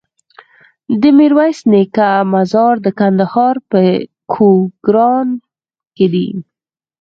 د ميرويس نيکه مزار د کندهار په کوکران کی دی